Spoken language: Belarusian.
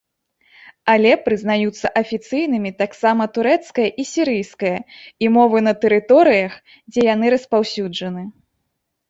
Але прызнаюцца афіцыйнымі таксама турэцкая і сірыйская і мовы на тэрыторыях, дзе яны распаўсюджаны.